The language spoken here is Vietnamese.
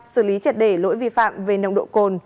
xử lý triệt để lỗi vi phạm về nồng độ cồn